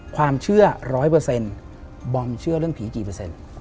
ความเชื่อร้อยเปอร์เซ็นต์บอมเชื่อเรื่องผีกี่เปอร์เซ็นต์